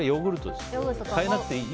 変えなくていい？